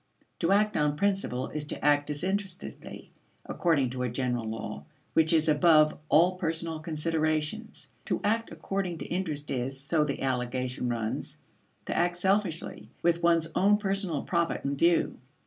To act on principle is to act disinterestedly, according to a general law, which is above all personal considerations. To act according to interest is, so the allegation runs, to act selfishly, with one's own personal profit in view.